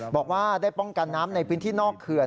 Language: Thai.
บอกว่าได้ป้องกันน้ำในพื้นที่นอกเขื่อน